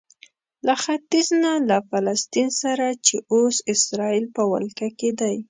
له ختیځ نه له فلسطین سره چې اوس اسراییل په ولکه کې دی.